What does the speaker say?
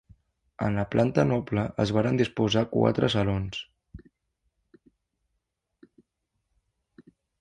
En la planta noble es varen disposar quatre salons.